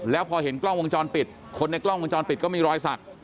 แล้วพอเห็นกล้องวงจรปิดคนในกล้องวงจรปิดก็มีรอยสัก